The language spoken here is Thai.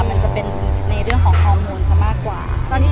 มันจะเป็นในเรื่องของฮอร์โมนซะมากกว่า